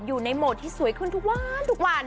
อยู่ในโหมดที่สวยขึ้นทุกวันทุกวัน